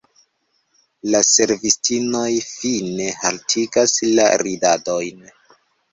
La servistinoj fine haltigas la ridadojn.